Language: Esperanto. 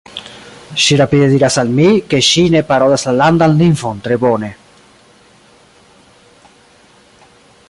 Ŝi rapide diras al mi, ke ŝi ne parolas la landan lingvon tre bone.